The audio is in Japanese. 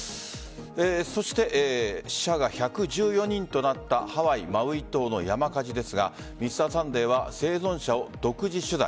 そして死者が１１４人となったハワイ・マウイ島の山火事ですが「Ｍｒ．サンデー」は生存者を独自取材。